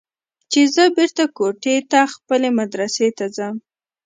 چې زه بېرته کوټې ته خپلې مدرسې ته ځم.